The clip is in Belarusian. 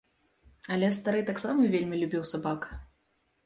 Але стары таксама вельмі любіў сабак.